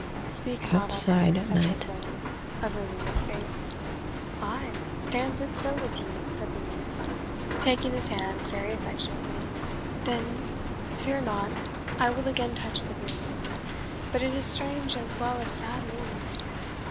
"Speak not of her!" said Tressilian, averting his face. "Ay, stands it so with you?" said the youth, taking his hand very affectionately; "then, fear not I will again touch the green wound. But it is strange as well as sad news.